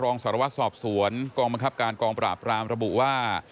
รองสารวัตรสอบสวนกองบังคับการกองปราบรามระบุว่า